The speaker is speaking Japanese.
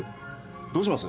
・どうします？